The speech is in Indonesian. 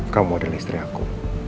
kamu adalah istri aku